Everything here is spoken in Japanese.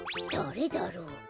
だれだろう？